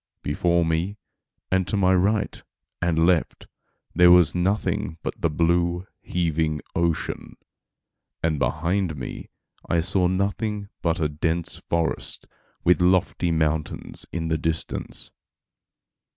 Before me, and to my right and left, there was nothing but the blue, heaving ocean; and behind me, I saw nothing but a dense forest, with lofty mountains in the distance.